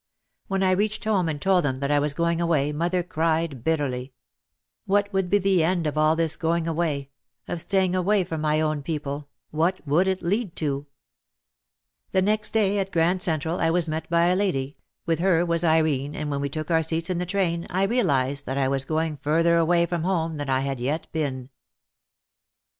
When I reached home and told them that I was going away mother cried bitterly : What would be the end of all this going away, of staying away from my own people, what would it lead to? The next day at Grand Central I was met by a lady, with her was Irene and when we took our seats in the train I realised that I was going further away from home than I had yet been.